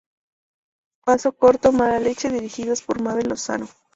Paso corto, mala leche" dirigidos por Mabel Lozano.